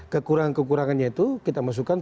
kekurangan kekurangannya itu kita masukkan